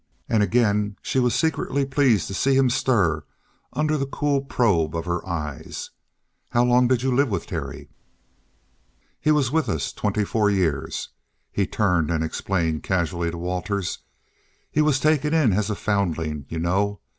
And again she was secretly pleased to see him stir under the cool probe of her eyes. "How long did you live with Terry?" "He was with us twenty four years." He turned and explained casually to Waters. "He was taken in as a foundling, you know.